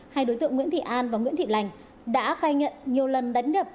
hai đối tượng nguyễn thị an và nguyễn thị lành đã khai nhận nhiều lần đánh đập